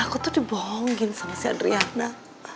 aku tuh dibohongin sama si adriana